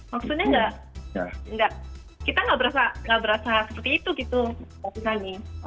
maksudnya enggak enggak kita enggak berasa enggak berasa seperti itu gitu maksudnya nih